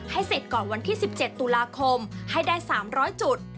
เสร็จก่อนวันที่๑๗ตุลาคมให้ได้๓๐๐จุด